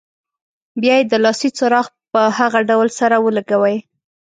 بیا یې د لاسي چراغ په هغه ډول سره ولګوئ.